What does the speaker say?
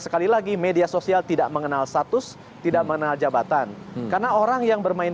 sekali lagi media sosial tidak mengenal status tidak mengenal jabatan karena orang yang bermain